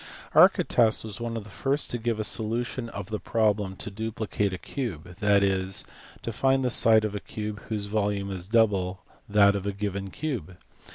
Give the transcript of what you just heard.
Archytas was one of the first to give a solution of the problem to duplicate a cube, that is, to find the side of a cube whose volume is double that of a given cube.